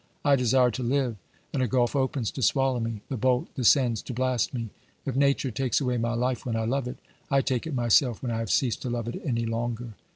I desire to live, and a gulf opens to swallow me, the bolt descends to blast me. If Nature takes away my life when I love it, I take it myself when I have ceased to love it any longer.